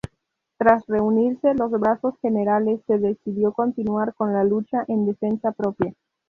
Tras reunirse los brazos generales, se decidió continuar con la lucha en defensa propia.